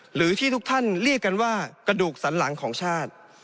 หรือที่ทุกท่านเรียกกันว่ากระดูกสันหลังของชาติ